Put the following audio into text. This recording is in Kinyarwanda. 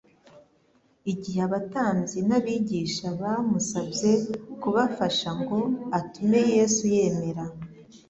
igihe abatambyi n'abigisha bamusabye kubafasha ngo atume Yesu yemera